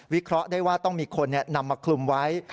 เพราะได้ว่าต้องมีคนเนี่ยนำมาคลุมไว้